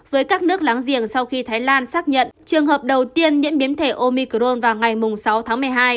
với các nước láng giềng sau khi thái lan xác nhận trường hợp đầu tiên nhiễm biến thể omicrone vào ngày sáu tháng một mươi hai